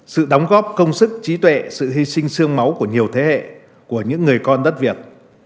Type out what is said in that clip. sự đóng góp công sức trí tuệ sự hy sinh sương máu của nhiều thế hệ của những người con đất việt